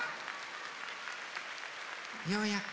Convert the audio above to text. ようやく。